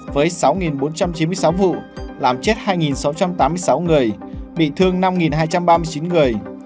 với sáu bốn trăm chín mươi sáu vụ làm chết hai sáu trăm tám mươi sáu người bị thương năm hai trăm ba mươi chín người